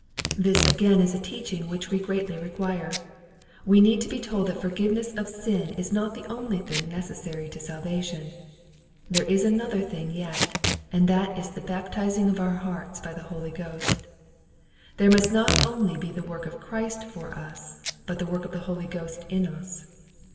This again is a teaching which we greatly require. We need to be told that forgiveness of sin is not the only thing necessary to salvation. There is another thing yet ; and that is the baptizing of our hearts by the Holy Ghost. There must not only be the work of Christ for us, but the work of the Holy Ghost in us.